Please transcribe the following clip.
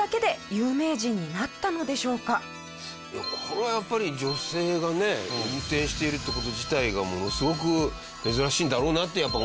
これはやっぱり女性がね運転しているって事自体がものすごく珍しいんだろうなって思いますよね。